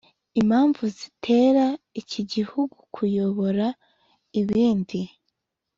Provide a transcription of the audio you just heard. Impamvu zitera iki gihugu kuyobora ibindi